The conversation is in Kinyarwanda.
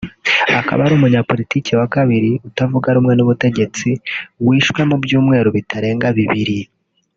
akaba ari umunyapolitiki wa kabiri utavuga rumwe n’ubutegetsi wishwe mu byumweru bitarenga bibiri